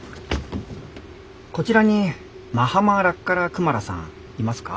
こちらにマハマラッカラ・クマラさんいますか？